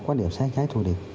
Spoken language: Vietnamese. quan điểm xác nhãi thù địch